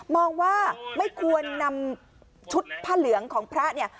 มองว่าไม่ควรนำชุดผ้าเหลืองของพระเนี่ย